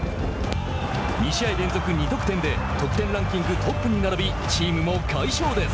２試合連続２得点で得点ランキングトップに並びチームも快勝です。